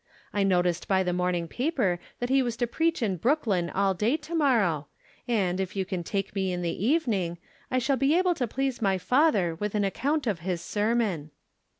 I no ticed by the morning paper that he was to preach in Brooklyn all day to morrow, and, if you can take me in the evening, I shall be able to please my father with an account of his sermon."